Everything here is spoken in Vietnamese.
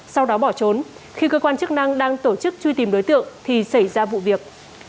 sau đó bỏ trốn khi cơ quan chức năng đang tổ chức truy tìm đối tượng thì xảy ra vụ việc